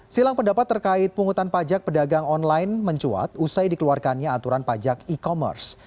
silang pendapat terkait pungutan pajak pedagang online mencuat usai dikeluarkannya aturan pajak e commerce